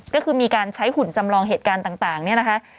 ก็คือมีการใช้หุ่นจำลองเหตุการณ์ต่างเนี่ยนะคะ